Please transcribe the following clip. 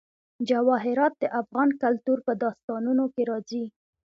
جواهرات د افغان کلتور په داستانونو کې راځي.